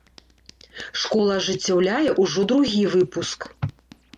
Школа ажыццяўляе ўжо другі выпуск.